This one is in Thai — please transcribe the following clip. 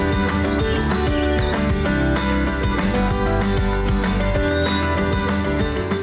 พูด